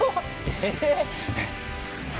えっ？